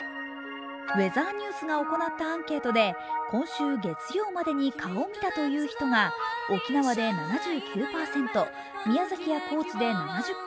ウェザーニュースが行ったアンケートで今週月曜までに蚊を見たという人が沖縄で７９％、宮崎や高知で７０％